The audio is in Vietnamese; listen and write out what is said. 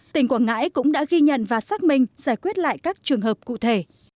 tỉnh quảng ngãi cũng đã ghi nhận và xác minh giải quyết lại các trường hợp cụ thể